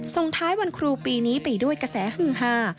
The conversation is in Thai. ส่งท้ายวันครูปีนี้ไปด้วยกระแสฮือฮา